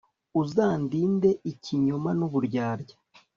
uzandinde ikinyoma n'uburyarya